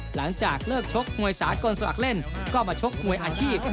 หลังจากเลิกชกมวยสากลสมัครเล่นก็มาชกมวยอาชีพ